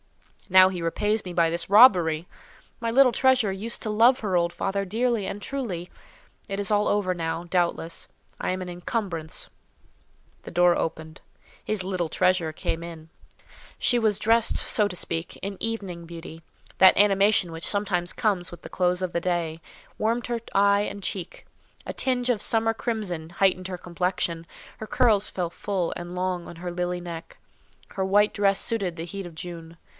Now he repays me by this robbery! My little treasure used to love her old father dearly and truly. It is all over now, doubtless—I am an incumbrance." The door opened—his "little treasure" came in. She was dressed, so to speak, in evening beauty; that animation which sometimes comes with the close of day, warmed her eye and cheek; a tinge of summer crimson heightened her complexion; her curls fell full and long on her lily neck; her white dress suited the heat of June.